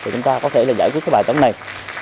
chúng ta có thể giải quyết bài tấm này